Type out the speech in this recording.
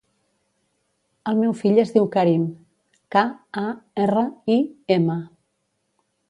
El meu fill es diu Karim: ca, a, erra, i, ema.